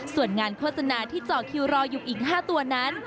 ส่วนงานโฆษณาที่เจาะคิวรออยู่อีก๕ตัวนั้น